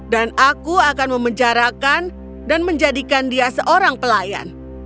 dan aku akan memenjarakan dan menjadikan dia seorang pelayan